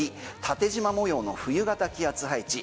縦縞模様の冬型気圧配置。